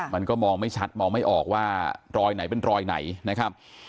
มันก็มองไม่ชัดมองไม่ออกว่ารอยไหนเป็นรอยไหนนะครับ